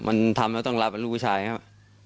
มันทำแล้วต้องลาเป็นลูกผู้ชายครับ